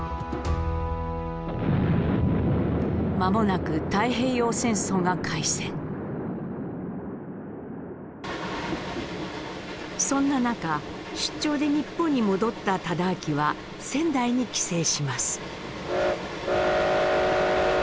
間もなくそんな中出張で日本に戻った忠亮は仙台に帰省します。